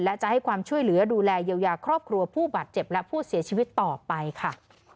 และจะให้ความช่วยเหลือดูแลเยียวยาครอบครัวผู้บาดเจ็บและผู้เสียชีวิตต่อไปค่ะ